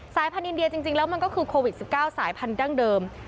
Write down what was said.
พันธุอินเดียจริงแล้วมันก็คือโควิด๑๙สายพันธั้งเดิม